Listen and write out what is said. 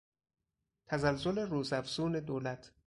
تزلزل روزافزون دولت